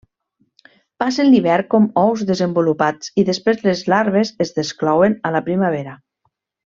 Passen l'hivern com ous desenvolupats i després les larves es desclouen a la primavera.